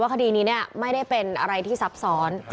คดีนี้ไม่ได้เป็นอะไรที่ซับซ้อน